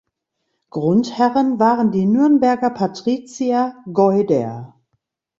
Grundherren waren die Nürnberger Patrizier Geuder.